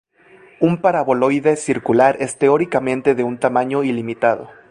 Un paraboloide circular es teóricamente de un tamaño ilimitado.